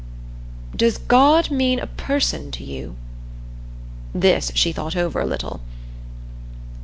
"Does God mean a person to you?" This she thought over a little.